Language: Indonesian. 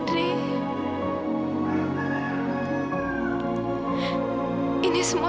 harga diri kamu